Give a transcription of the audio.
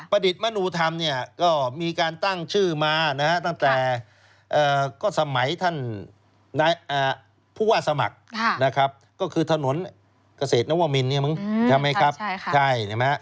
ประดิษฐ์มนูธรรมประเศรษฐ์มนูกิจประดิษฐ์มนูธรรมพทร